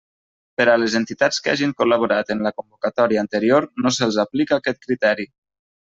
Per a les entitats que hagin col·laborat en la convocatòria anterior, no se'ls aplica aquest criteri.